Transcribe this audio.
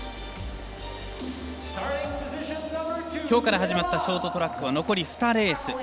きょうから始まったショートトラックは残り２レース。